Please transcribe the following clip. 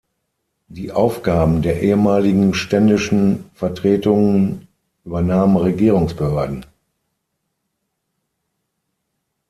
Die Aufgaben der ehemaligen ständischen Vertretungen übernahmen Regierungsbehörden.